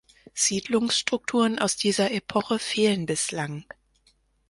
Siedlungsstrukturen aus dieser Epoche fehlen bislang.